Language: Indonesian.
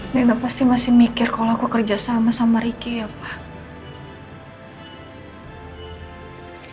nenek pasti masih mikir kalau aku kerja sama sama ricky ya pak